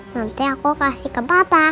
nanti aku kasih ke bapak